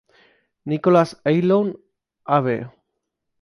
Nicolás Ayllón, Av.